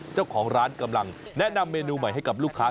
เจ้าของร้านกำลังแนะนำเมนูใหม่ให้กับลูกค้า